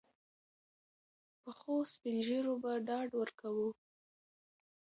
پخوسپین ږیرو به ډاډ ورکاوه.